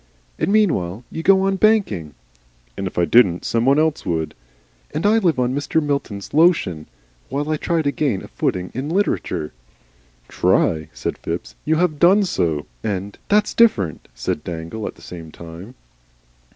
"And meanwhile you go on banking " "If I didn't, some one else would." "And I live on Mr. Milton's Lotion while I try to gain a footing in Literature." "TRY!" said Phipps. "You HAVE done so." And, "That's different," said Dangle, at the same time.